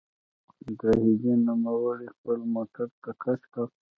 زاهدي نوموړی خپل موټر ته کش کړ.